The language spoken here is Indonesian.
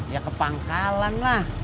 ya ke pangkalan lah